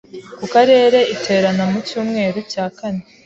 Ku Karere iterana mu cyumweru cya kane.